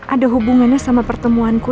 ada hubungannya sama pertemuanku